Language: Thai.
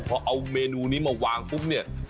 พอเอาเมนูนี้มาวางปุ๊บเนี่ย